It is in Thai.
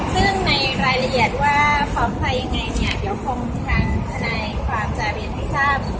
ซึ่งในรายละเอียดว่าฟ้อมอะไรยังไงเดี๋ยวคงพิกัดภาคความจาเรียนให้ทราบ